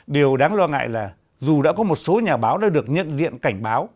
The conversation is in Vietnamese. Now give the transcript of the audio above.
điều đáng lo ngại là dù đã có một số nhà báo đã được nhận diện cảnh báo